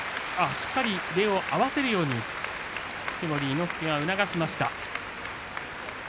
しっかり礼を合わせるように式守伊之助が促しました。